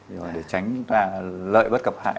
để tránh lợi bất cập hại